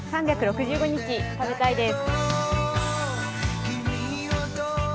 ３６５日、食べたいです。